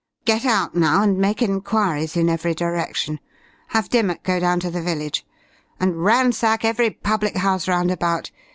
Get out now and make enquiries in every direction. Have Dimmock go down to the village. And ransack every public house round about.